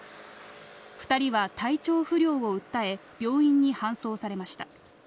２人は体調不良を訴え病院に搬送されました。